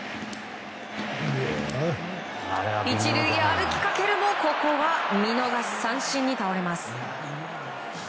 １塁へ歩きかけるもここは見逃し三振に倒れます。